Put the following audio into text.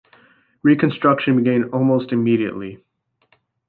Reconstruction began almost immediately.